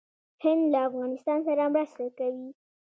هند له افغانستان سره مرسته کوي.